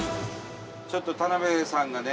ちょっと田辺さんがね